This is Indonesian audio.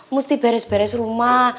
mesti beres beres rumah